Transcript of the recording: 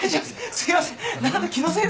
すいません。